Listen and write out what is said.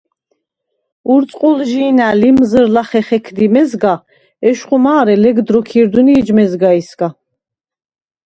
ურწყულჟი̄ნა̈ ლიმზჷრ ლახე ხექდი მეზგა, ეშხუ მა̄რე ლეგდ როქვ ირდვნი ეჯ მეზგაისგა.